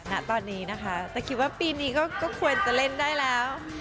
ณตอนนี้นะคะแต่คิดว่าปีนี้ก็ควรจะเล่นได้แล้ว